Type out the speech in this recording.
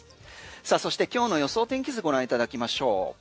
さあそして今日の予想天気図ご覧いただきましょう。